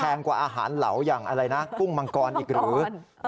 กว่าอาหารเหลาอย่างอะไรนะกุ้งมังกรอีกหรือ